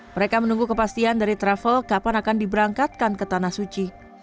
mereka menunggu kepastian dari travel kapan akan diberangkatkan ke tanah suci